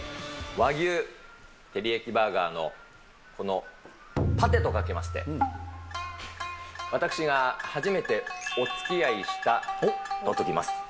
和牛テリヤキバーガーのこのパティとかけまして、私が初めておつきあいしたと解きます。